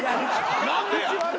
何でや！